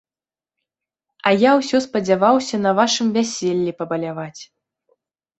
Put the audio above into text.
А я ўсё спадзяваўся на вашым вяселлі пабаляваць.